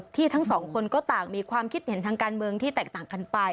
ทั้งสองคนก็ต่างมีความคิดเห็นทางการเมืองที่แตกต่างกันไป